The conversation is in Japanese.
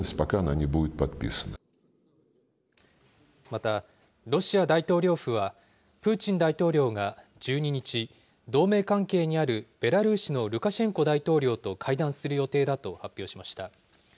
また、ロシア大統領府は、プーチン大統領が１２日、同盟関係にあるベラルーシのルカシェンコ大統領と会談する予定だと発表しました。